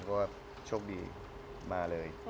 ว่าชมดีมาเลย